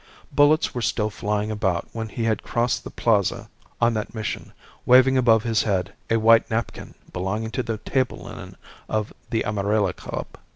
Bullets were still flying about when he had crossed the Plaza on that mission, waving above his head a white napkin belonging to the table linen of the Amarilla Club.